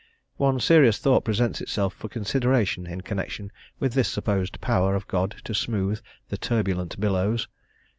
One serious thought presents itself for consideration in connection with this supposed power of God to smooth the turbulent billows.